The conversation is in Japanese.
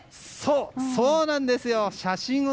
そうなんですよ。